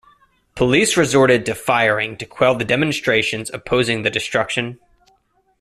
Police resorted to firing to quell the demonstrations opposing the destruction.